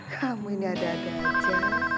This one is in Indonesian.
kamu ini ada ada aja